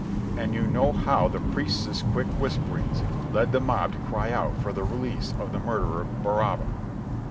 And you know how the priests' quick whisperings led the mob to cry out for the release of the murderer Bar Abba.